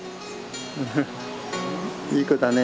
いい子だね。